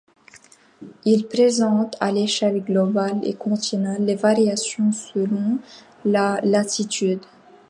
Ils présentent, à l'échelle globale et continentale, des variations selon la latitude.